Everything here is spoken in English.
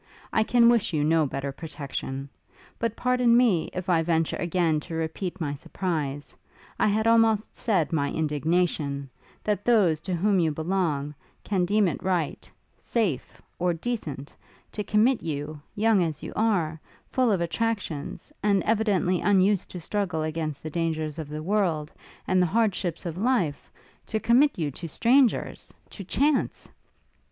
I can wish you no better protection. But pardon me, if I venture again to repeat my surprise I had almost said my indignation that those to whom you belong, can deem it right safe or decent, to commit you young as you are, full of attractions, and evidently unused to struggle against the dangers of the world, and the hardships of life, to commit you to strangers to chance!